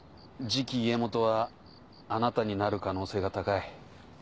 次期家元はあなたになる可能性が高い。